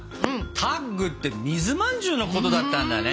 タッグって水まんじゅうのことだったんだね。